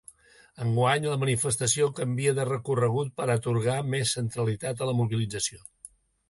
Enguany, la manifestació canvia de recorregut per atorgar més centralitat a la mobilització.